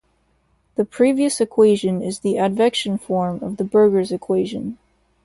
The previous equation is the 'advection form' of the Burgers' equation.